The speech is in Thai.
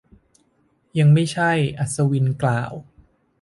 ยังไม่ใช่ อัศวินกล่าว